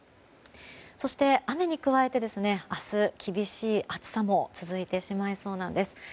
そして雨に加えて明日、厳しい暑さも続いてしまいそうなんです。